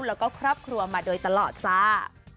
แล้วก็ครอบครัวมาโดยตลอดจ้า